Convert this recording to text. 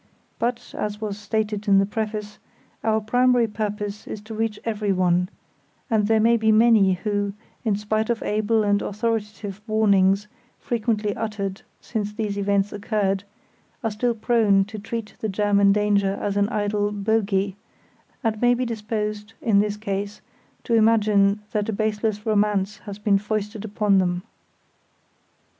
But, as was stated in the preface, our primary purpose is to reach everyone; and there may be many who, in spite of able and authoritative warnings frequently uttered since these events occurred, are still prone to treat the German danger as an idle "bogey", and may be disposed, in this case, to imagine that a baseless romance has been foisted on them.